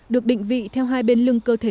được định vị theo hai bên lưng cơ thể